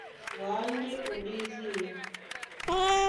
Wǎ ndé ó ɗédi e.